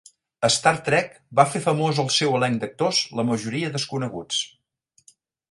"Star Trek" va fer famós al seu elenc d'actors, la majoria desconeguts.